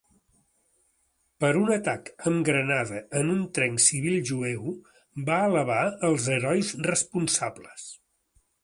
Per un atac amb granada en un tren civil jueu, va alabar els "herois" responsables.